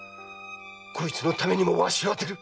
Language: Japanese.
こいつのためにもわしは出る！